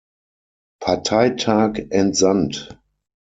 Parteitag entsandt.